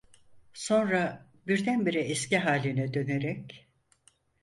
Sonra birdenbire eski haline dönerek: